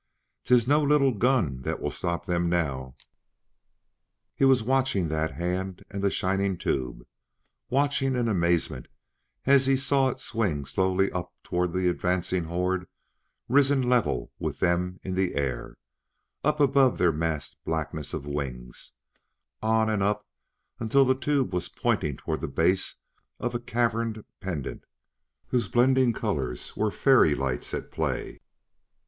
"'Tis no little gun like that will stop them now!" He was watching that hand and the shining tube; watching in amazement as he saw it swing slowly up toward the advancing horde risen level with them in the air up above their massed blackness of wings on and up, until the tube was pointing toward the base of a carven pendant, whose blending colors were fairy lights at play.